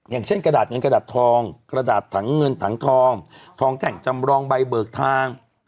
อย่างเช่นกระดาษเงินกระดาษทองกระดาษถังเงินถังทองทองแท่งจำรองใบเบิกทาง